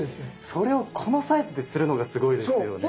それをこのサイズでするのがすごいですよね。